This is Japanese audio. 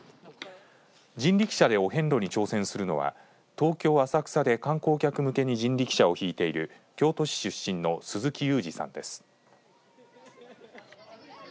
人力車でお遍路に挑戦するのは東京浅草で観光客向けに人力車を引いている京都市出身の鈴木悠司さんです。